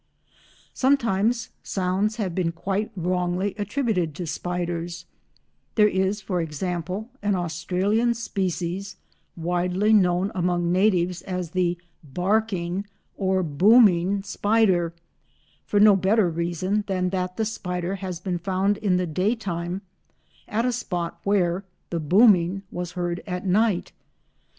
Sometimes sounds have been quite wrongly attributed to spiders; there is, for example, an Australian species widely known among natives as the "barking" or "booming" spider, for no better reason than that the spider has been found in the day time at a spot where the booming was heard at night.